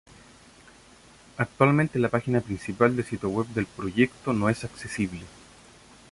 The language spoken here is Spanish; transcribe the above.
Actualmente la página principal del sitio web del proyecto no es accesible.